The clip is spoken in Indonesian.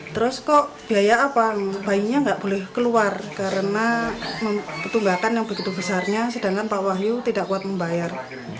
terus kok biaya apa bayinya nggak boleh keluar karena tunggakan yang begitu besarnya sedangkan pak wahyu tidak kuat membayar